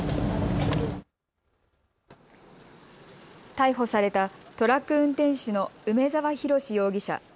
逮捕されたトラック運転手の梅澤洋容疑者。